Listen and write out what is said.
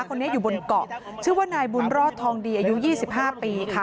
คนนี้อยู่บนเกาะชื่อว่านายบุญรอดทองดีอายุ๒๕ปีค่ะ